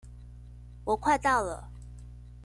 我快到了